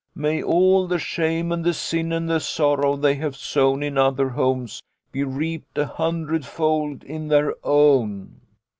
May all the shame and the sin and the sorrow they have sown in other homes be reaped a hundredfold in their own